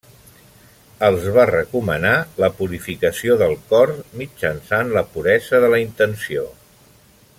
Els va recomanar la purificació del cor mitjançant la puresa de la intenció.